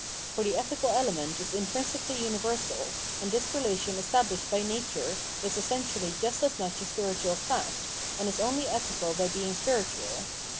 For the ethical element is intrinsically universal, and this relation estabhshed by nature is essentially just as much a spiritual fact, and is only ethical by being spiritual.